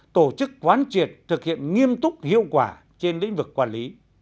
tổ chức quán triệt thực hiện nghiêm túc hiệu quả trên lĩnh vực quản lý